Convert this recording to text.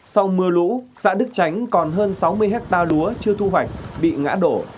sau mưa lũ xã đức chánh còn hơn sáu mươi hectare lúa chưa thu hoạch bị ngã đổ